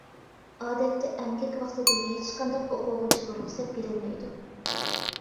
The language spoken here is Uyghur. ئادەتتە ئەمگەك ۋاقتىدا ھېچقانداق ئوقۇغۇچىغا رۇخسەت بېرىلمەيدۇ.